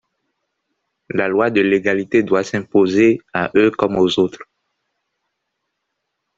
La loi de l’égalité doit s’imposer à eux comme aux autres.